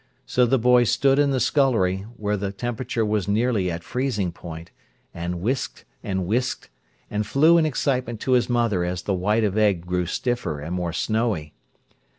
So the boy stood in the scullery, where the temperature was nearly at freezing point, and whisked and whisked, and flew in excitement to his mother as the white of egg grew stiffer and more snowy.